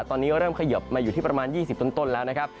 ตอนนี้เริ่มเขยิบมาอยู่ที่ประมาณ๒๐ต้นแล้วนะครับ